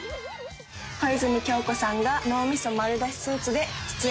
小泉今日子さんが脳みそ丸出しスーツで出演。